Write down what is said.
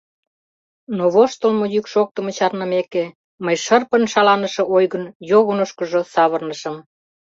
Но воштылмо йӱк шоктымо чарнымеке, мый шырпын шаланыше ойгын йогынышкыжо савырнышым.